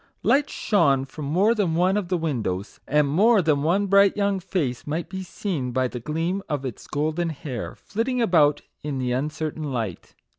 Lights shone from more than one of the windows; and more than one bright young face might be seen, by the gleam of its golden hair, flit ting about in the uncertain light.